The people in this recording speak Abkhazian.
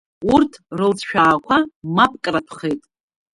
Урҭ рылҵшәаақәа мапкратәхеит.